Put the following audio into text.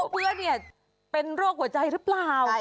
เพื่อนเป็นโรคหัวใจหรือเปล่า